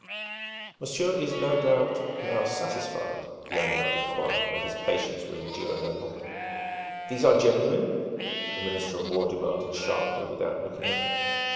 "Monsieur is, no doubt, now satisfied?" Lanyard enquired when his patience would endure no longer. "These are genuine?" the Minister of War demanded sharply, without looking up.